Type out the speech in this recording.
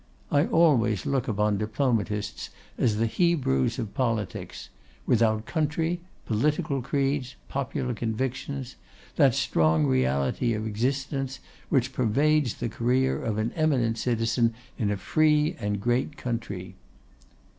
I always look upon Diplomatists as the Hebrews of politics; without country, political creeds, popular convictions, that strong reality of existence which pervades the career of an eminent citizen in a free and great country.